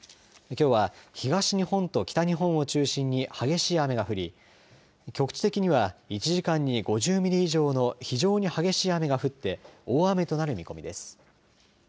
きょうは東日本と北日本を中心に激しい雨が降り局地的には１時間に５０ミリ以上の非常に激しい雨が降って大雨となる見込みです。